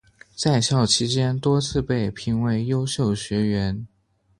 在校期间多次被评为优秀学员。